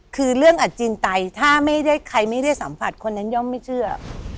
คือเรื่องอัจจินไตถ้าไม่ได้ใครไม่ได้สัมผัสคนนั้นย่อมไม่เชื่อ